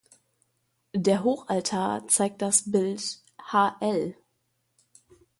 Der Hochaltar zeigt das Bild hl.